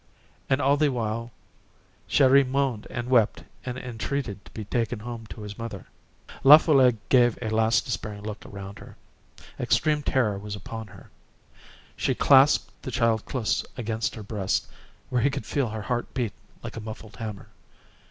And all the while Chéri moaned and wept and entreated to be taken home to his mother. La Folle gave a last despairing look around her. Extreme terror was upon her. She clasped the child close against her breast, where he could feel her heart beat like a muffled hammer.